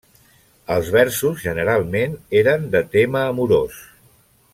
Els versos generalment eren de tema amorós.